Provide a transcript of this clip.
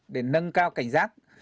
để nâng cao cảnh giác